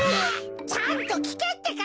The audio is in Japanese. ちゃんときけってか！